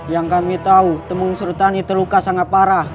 yang kami tahu tumgung suratadi terluka sangat parah